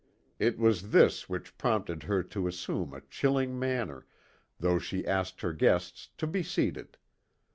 It was this which prompted her to assume a chilling manner, though she asked her guests to be seated.